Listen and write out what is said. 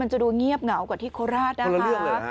จะดูเงียบเหงากว่าที่โคราชนะคะ